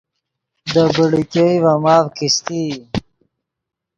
دے بیڑے ګئے ڤے ماف کیستئی